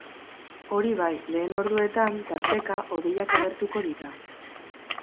Hori bai, lehen orduetan, tarteka, hodeiak agertuko dira.